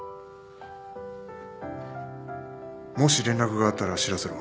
もし連絡があったら知らせろ。